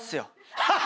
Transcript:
ハハハハ。